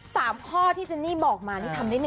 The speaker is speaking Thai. สามข้อที่จินนี่บอกมาทำได้๑ข้อ